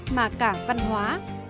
mà cả văn hóa